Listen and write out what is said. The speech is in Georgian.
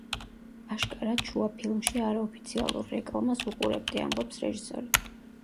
აშკარად შუა ფილმში არაოფიციალურ რეკლამას ვუყურებდი – ამბობს რეჟისორი.